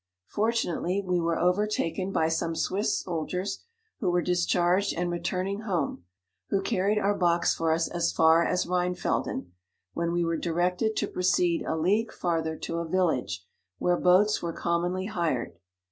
Fortunately we were over taken by some Swiss soldiers, who were discharged and returning home, who carried our box for us as far as Rheinfelden, when we were directed to proceed a league farther to a village, where boats were commonly hired.